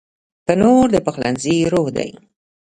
تنور د پخلنځي روح دی